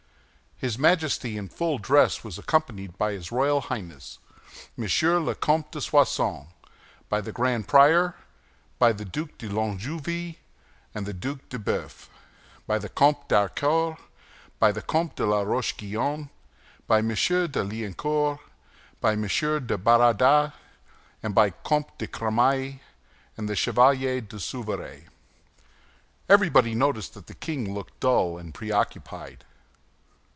His Majesty, in full dress, was accompanied by his royal Highness, M. le Comte de Soissons, by the Grand Prior, by the Duc de Longueville, by the Duc d'Eubœuf, by the Comte d'Harcourt, by the Comte de la Roche Guyon, by M. de Liancourt, by M. de Baradas, by the Comte de Cramail, and by the Chevalier de Souveray. Everybody noticed that the king looked dull and preoccupied.